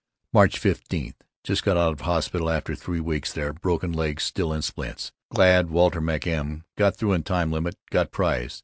March 15: Just out of hospital, after three weeks there, broken leg still in splints. Glad Walter MacM got thru in time limit, got prize.